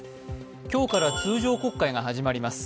今日から通常国会が始まります。